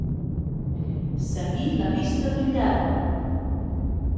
Seguir la pista d'un lladre.